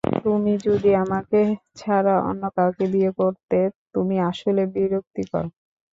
তুমি যদি আমাকে ছাড়া অন্য কাউকে বিয়ে করতে, তুমি আসলে বিরক্তিকর।